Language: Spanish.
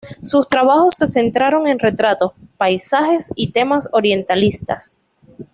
Sus trabajos se centraron en retratos, paisajes y temas orientalistas.